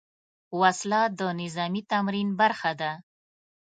وسله د نظامي تمرین برخه ده